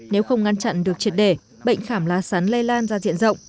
nếu không ngăn chặn được triệt để bệnh khảm lá sắn lây lan ra diện rộng